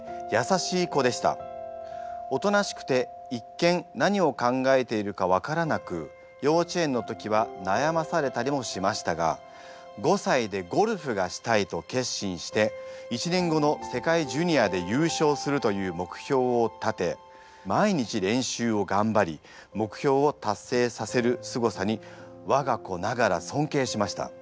おとなしくて一見何を考えているか分からなく幼稚園の時は悩まされたりもしましたが５歳でゴルフがしたいと決心して１年後の世界ジュニアで優勝するという目標を立て毎日練習を頑張り目標を達成させるすごさに我が子ながら尊敬しました。